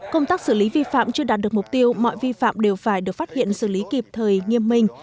công tác xử lý vi phạm chưa đạt được mục tiêu mọi vi phạm đều phải được phát hiện xử lý kịp thời nghiêm minh